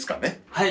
はい。